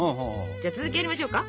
じゃあ続きやりましょうか。